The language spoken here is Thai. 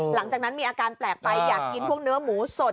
หลังจากนั้นมีอาการแปลกไปอยากกินพวกเนื้อหมูสด